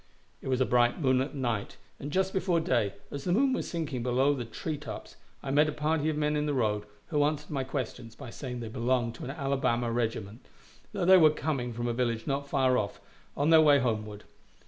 It was a bright moonlight night, and just before day, as the moon was sinking below the tree tops, I met a party of men in the road, who answered my questions by saying they belonged to an Alabama regiment; that they were coming from a village not far off, on their way homeward.